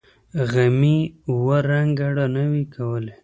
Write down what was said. غمي اوه رنگه رڼاوې کولې.